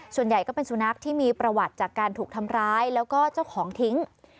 ส่วนใหญ่ก็เป็นสุนัขที่มีประวัติจากการถูกทำร้ายแล้วก็เจ้าของทิ้ง